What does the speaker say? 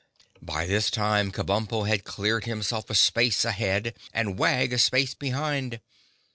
By this time Kabumpo had cleared himself a space ahead and Wag a space behind.